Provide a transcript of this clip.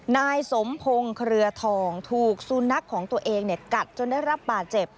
นายสมพงศ์เครือทองถูกสุนัขของตัวเองกัดจนได้รับบาดเจ็บ